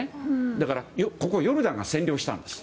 だから、ここをヨルダンが占領したんです。